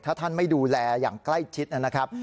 ถ้าท่านไม่ดูแลอย่างใกล้ชิดนะครับ